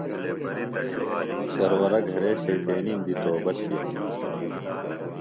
سرورہ گھرے شیطینیم دی توبہ تِھیلوۡ۔